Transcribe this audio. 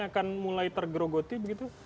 akan mulai tergerogoti begitu